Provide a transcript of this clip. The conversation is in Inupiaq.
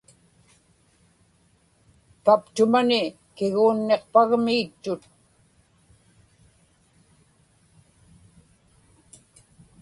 paptumani kiguunniqpagmi ittut